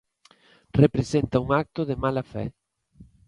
Representa un acto de mala fe.